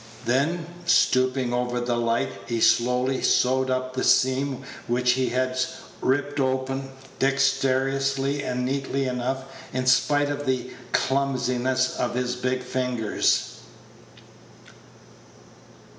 Then, stooping over the light, he slowly sewed up the seam which he had ripped open, dexterously and neatly enough, in spite of the clumsiness of his big fingers.